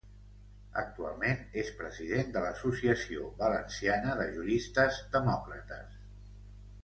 Actualment és president de l'Associació Valenciana de Juristes Demòcrates.